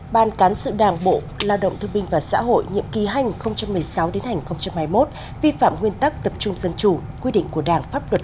một mươi một ban cán sự đảng bộ lao động thương minh và xã hội nhiệm kỳ hành hai nghìn một mươi sáu hai nghìn hai mươi một vi phạm nguyên tắc tập trung dân chủ quy định của đảng pháp luật